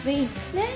ねえ。